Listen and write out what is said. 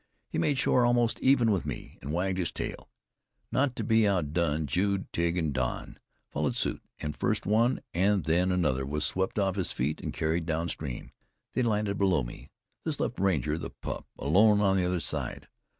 He made shore almost even with me, and wagged his tail. Not to be outdone, Jude, Tige and Don followed suit, and first one and then another was swept off his feet and carried downstream. They landed below me. This left Ranger, the pup, alone on the other shore.